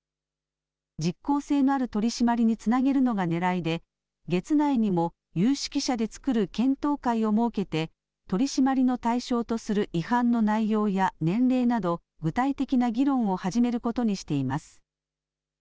実効性のある取締りにつなげるのがねらいで月内にも有識者で作る検討会を設けて取締りの対象とする違反の内容や年齢など具体的な議論を始めることにしています。